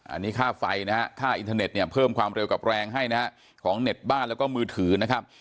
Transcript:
อันนี้ค่าไฟนะฮะค่าอินเทอร์เน็ตเนี่ยเพิ่มความเร็วกับแรงให้นะฮะของเน็ตบ้านแล้วก็มือถือนะครับ